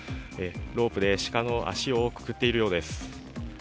ロープで鹿の足をくくっているようです。